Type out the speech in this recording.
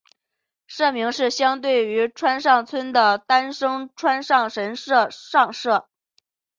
社名是相对于川上村的丹生川上神社上社。